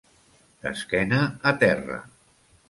D'esquena a terra.